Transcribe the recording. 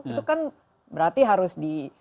itu kan berarti harus di